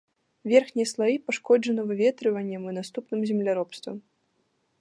Верхнія слаі пашкоджаны выветрываннем і наступным земляробствам.